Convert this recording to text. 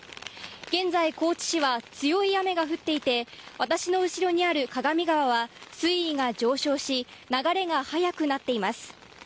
現在、高知市は強い雨が降っていて私の後ろにある鏡川は水位が上昇し流れが激しくなっています。